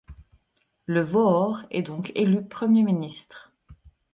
Le Vohor est donc élu Premier ministre.